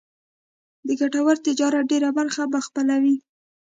د ګټور تجارت ډېره برخه به خپلوي.